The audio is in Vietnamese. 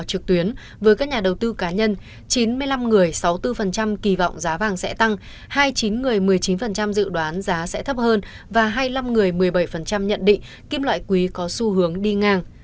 trực tuyến với các nhà đầu tư cá nhân chín mươi năm người sáu mươi bốn kỳ vọng giá vàng sẽ tăng hai mươi chín người một mươi chín dự đoán giá sẽ thấp hơn và hai mươi năm người một mươi bảy nhận định kim loại quý có xu hướng đi ngang